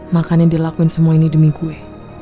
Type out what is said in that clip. makanya dia lakuin semua ini demi gue